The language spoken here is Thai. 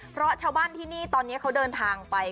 เพราะชาวบ้านที่นี่ตอนนี้เขาเดินทางไป